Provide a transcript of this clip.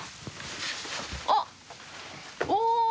あっお！